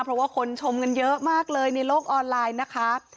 เพราะว่าคนชมกันเยอะมากเลยในโลกออนไลน์นะคะ